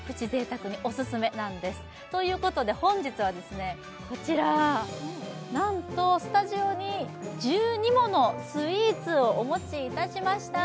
贅沢にオススメなんですということで本日はこちらなんとスタジオに１２ものスイーツをお持ちいたしました